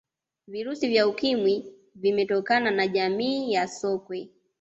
virusi vya ukimwi vimetokana na jamii ya sokwe